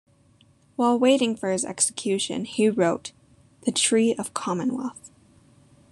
While waiting for his execution he wrote "The Tree of Commonwealth".